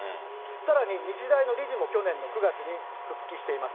さらに日大の理事も去年の９月に復帰しています。